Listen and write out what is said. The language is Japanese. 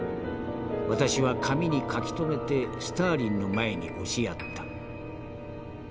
私は紙に書き留めてスターリンの前に押しやった」。